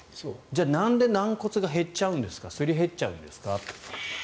じゃあ、なんで軟骨が減っちゃうんですかすり減っちゃうんですか。